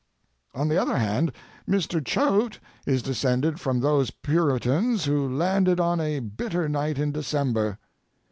On the other hand, Mr. Choate is descended from those Puritans who landed on a bitter night in December.